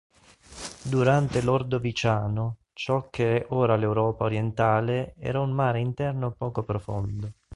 Durante l'Ordoviciano, ciò che è ora l'Europa orientale era un mare interno poco profondo.